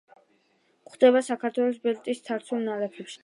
გვხვდება საქართველოს ბელტის ცარცულ ნალექებში.